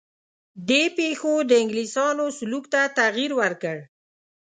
دې پېښو د انګلیسیانو سلوک ته تغییر ورکړ.